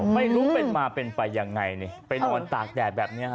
ไม่รู้เป็นมาเป็นไปยังไงนี่ไปนอนตากแดดแบบนี้ฮะ